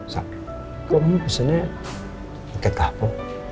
sa kamu pesennya paket couple